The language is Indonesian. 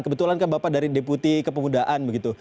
kebetulan kan bapak dari deputi kepemudaan begitu